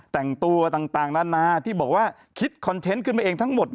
แต่งตัวต่างนานาที่บอกว่าคิดคอนเทนต์ขึ้นมาเองทั้งหมด